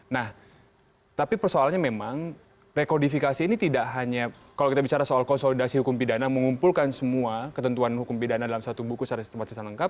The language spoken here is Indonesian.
nah tapi persoalannya memang rekodifikasi ini tidak hanya kalau kita bicara soal konsolidasi hukum pidana mengumpulkan semua ketentuan hukum pidana dalam satu buku secara sistematis dan lengkap